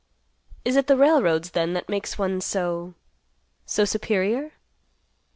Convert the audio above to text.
Is it the railroads then that makes one so—so superior?"